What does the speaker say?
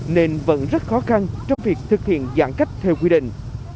nên vẫn rất khó khăn trong việc thực hiện giãn cách theo quy định